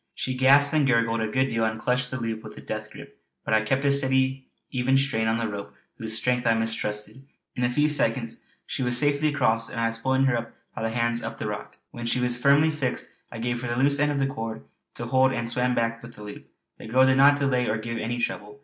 She gasped and gurgled a good deal and clutched the loop with a death grip; but I kept a steady even strain on the rope whose strength I mistrusted. In a few seconds she was safely across, and I was pulling her up by the hands up the rock. When she was firmly fixed I gave her the loose end of the cord to hold and swam back with the loop. The girl did not delay or give any trouble.